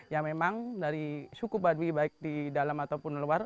yang memang dari suku baduy baik di dalam ataupun luar